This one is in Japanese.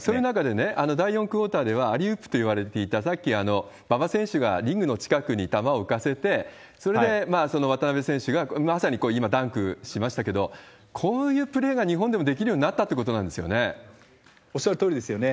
その中でね、第４クオーターではアリウープと呼ばれていた、さっき、馬場選手がリングの近くに球を浮かせて、それで渡邊選手が、まさに今、ダンクしましたけど、こういうプレーが日本でもできるようになったおっしゃるとおりですよね。